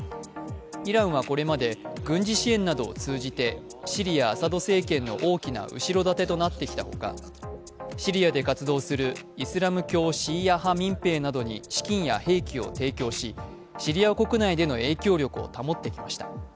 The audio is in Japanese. イランはこれまで軍事支援などを通じて、シリア・アサド政権の大きな後ろ盾となってきたほか、シリアで活動するイスラム教シーア派民兵などに資金や兵器を提供しシリア国内での影響力を保ってきました。